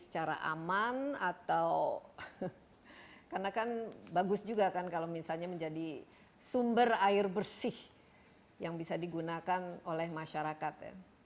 juga kan bagus juga kan kalau misalnya menjadi sumber air bersih yang bisa digunakan oleh masyarakat